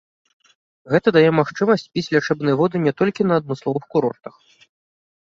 Гэта дае магчымасць піць лячэбныя воды не толькі на адмысловых курортах.